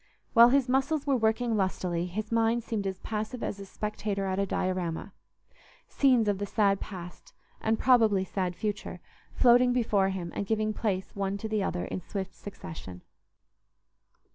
While his muscles were working lustily, his mind seemed as passive as a spectator at a diorama: scenes of the sad past, and probably sad future, floating before him and giving place one to the other in swift succession.